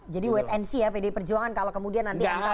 jadi wait and see ya pdi perjuangan kalau kemudian nanti mk meloloskan